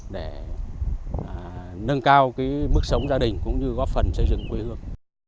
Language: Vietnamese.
để nâng cao mức sống gia đình cũng như góp phần xây dựng quê hương